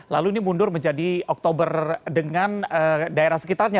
lalu ini mundur menjadi oktober dengan daerah sekitarnya